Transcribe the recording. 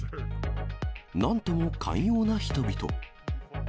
なんとも寛容な人々。